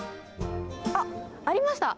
あっ、ありました。